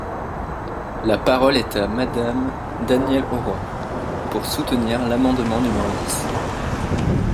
La parole est à Madame Danielle Auroi, pour soutenir l’amendement numéro dix.